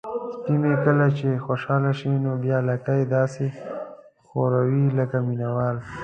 سپی مې کله چې خوشحاله شي نو بیا لکۍ داسې ښوروي لکه مینه وال.